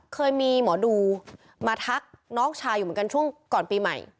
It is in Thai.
เคยมีหมอดูมาทักน้องชายอยู่เหมือนกันช่วงก่อนปีใหม่